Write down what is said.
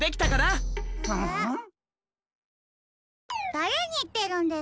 だれにいってるんですか？